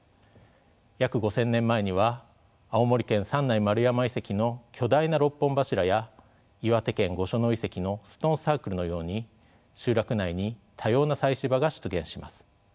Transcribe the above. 約５，０００年前には青森県三内丸山遺跡の巨大な６本柱や岩手県御所野遺跡のストーンサークルのように集落内に多様な祭祀場が出現します。